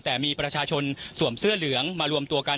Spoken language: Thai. แต่มีประชาชนสวมเสื้อเหลืองมารวมตัวกัน